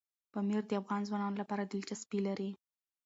پامیر د افغان ځوانانو لپاره دلچسپي لري.